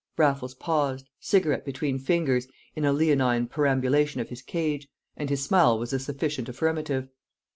Raffles paused, cigarette between fingers, in a leonine perambulation of his cage; and his smile was a sufficient affirmative.